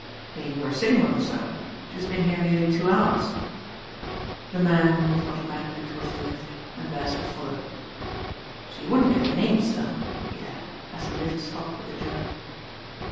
"In your sitting room, sir. She's been here neirly two hours." The man moved automaticaUy towards the lift and Beresford followed. "She wouldn't give a name, sir," he added, as the lift stopped with a jerk.